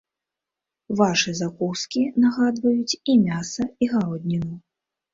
Вашы закускі нагадваюць і мяса і гародніну.